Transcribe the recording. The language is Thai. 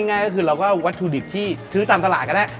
ง่ายก็คือเราก็วัตถุดิบที่ซื้อตามตลาดก็ได้